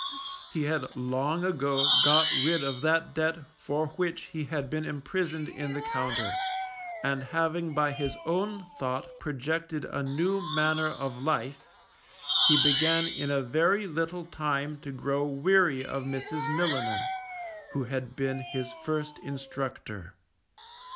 He had long ago got rid of that debt for which he had been imprisoned in the Compter, and having by his own thought projected a new manner of life, he began in a very little time to grow weary of Mrs. Milliner, who had been his first instructor.